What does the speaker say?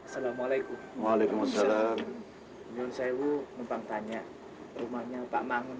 saya ingin mem sangknur